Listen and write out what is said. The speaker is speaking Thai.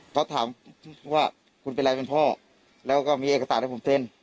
เขาถามว่าคุณเป็นไรเป็นพ่อแล้วก็มีเอกสารให้ผมเซ็น